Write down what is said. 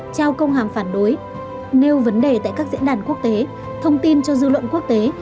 trao công hàm phản đối nêu vấn đề tại các diễn đàn quốc tế thông tin cho dư luận quốc tế